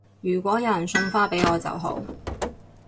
如果有人送花俾我就好